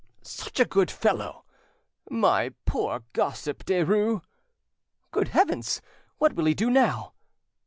"Such a good fellow!" "My poor gossip Derues!" "Good heavens! what will he do now?"